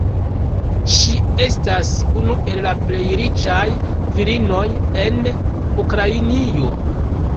Ŝi estas unu el la plej riĉaj virinoj en Ukrainio.